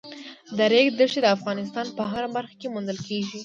د ریګ دښتې د افغانستان په هره برخه کې موندل کېږي.